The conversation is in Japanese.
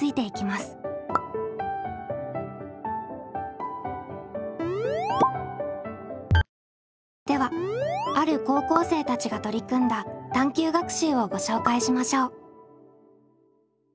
それではある高校生たちが取り組んだ探究学習をご紹介しましょう。